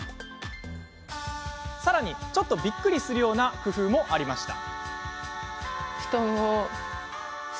さらに、ちょっとびっくりするような工夫もありました。